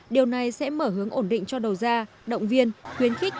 điều này sẽ mở hướng ổn định cho đầu ra động viên khuyến khích